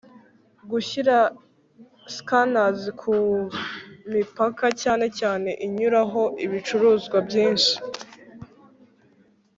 gushyira scanners ku mipaka cyane cyane inyuraho ibicuruzwa byinshi